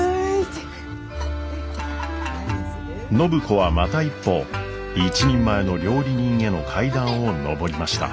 暢子はまた一歩一人前の料理人への階段を上りました。